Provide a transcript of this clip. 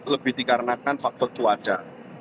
lebih dikarenakan faktor cuaca